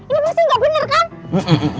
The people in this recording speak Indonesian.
ini pasti nggak bener kan